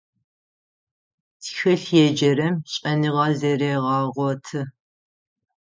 Тхылъ еджэрэм шӀэныгъэ зэрегъэгъоты.